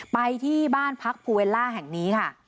ไปที่บ้านพักภูเวลล่าแห่งนี้ค่ะ